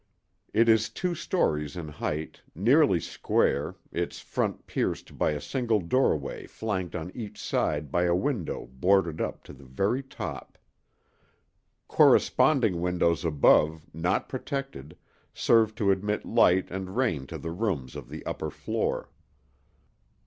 It is two stories in height, nearly square, its front pierced by a single doorway flanked on each side by a window boarded up to the very top. Corresponding windows above, not protected, serve to admit light and rain to the rooms of the upper floor.